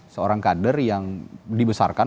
seorang kader yang dibesarkan